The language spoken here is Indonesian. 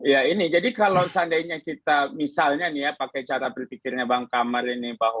ya ini jadi kalau seandainya kita misalnya nih ya pakai cara berpikirnya bang kamar ini